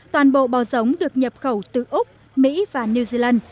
toàn bộ bò giống được nhập khẩu từ úc mỹ và new zealand